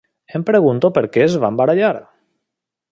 Em pregunto perquè es van barallar.